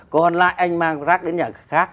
còn lại anh mang rác đến nhà khác